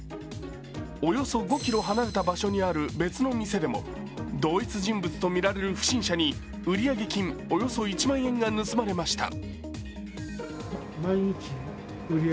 およそ５ｋｍ離れた場所にある別の店でも同一人物とみられる不審者に売上金およそ１万円が盗まれました。